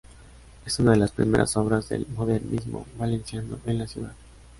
Es una de las primeras obras del modernismo valenciano en la ciudad.